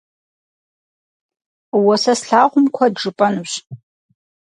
Уэ сэ слъагъум куэд жыпӏэнущ.